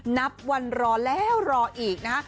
นับวันรอแล้วรออีกนะฮะ